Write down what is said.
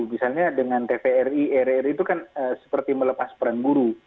misalnya dengan tvri rri itu kan seperti melepas peran buruh